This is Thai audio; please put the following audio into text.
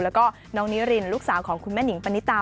แล้วก็น้องนิรินลูกสาวของคุณแม่นิงปณิตา